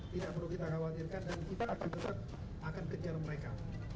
tidak perlu kita khawatirkan dan kita akan tetap akan kejar mereka